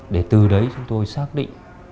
để từ đấy chúng tôi xác định